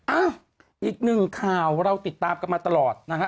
อ้าวอีกหนึ่งข่าวเราติดตามกันมาตลอดนะฮะ